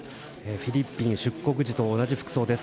フィリピン出国時と同じ服装です。